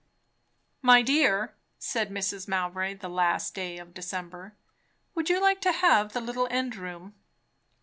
"My dear," said Mrs. Mowbray, the last day of December, "would you like to have the little end room?"